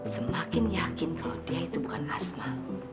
semakin yakin kalau dia itu bukan asma